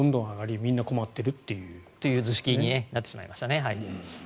みんな困っているという。という図式になってしまいましたね。